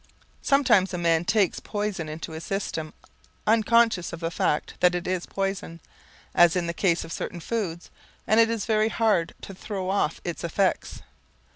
Sometimes a man takes poison into his system unconscious of the fact that it is poison, as in the case of certain foods, and it is very hard to throw off its effects.